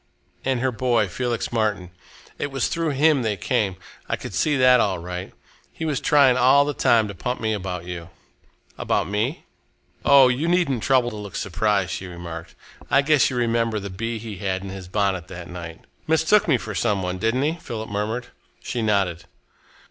"And her boy, Felix Martin. It was through him they came I could see that all right. He was trying all the time to pump me about you." "About me?" "Oh! you needn't trouble to look surprised," she remarked. "I guess you remember the bee he had in his bonnet that night." "Mistook me for some one, didn't he?" Philip murmured. She nodded.